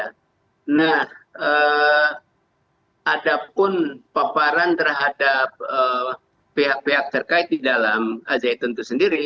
nah ada pun paparan terhadap pihak pihak terkait di dalam al zaitun itu sendiri